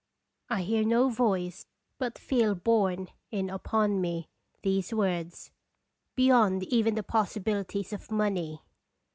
I hear no voice, but feel borne in upon me these words: "Beyond even the possibilities of Money!"